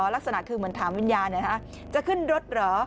ลักษณะคือเหมือนถามวิญญาณจะขึ้นรถเหรอ